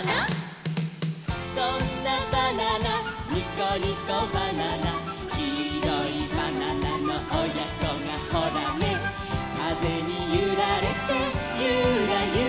「そんなバナナニコニコバナナ」「きいろいバナナのおやこがホラネ」「かぜにゆられてユラユラ」